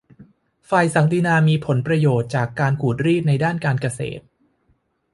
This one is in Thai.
ฝ่ายศักดินามีผลประโยชน์จากการขูดรีดในด้านการเกษตร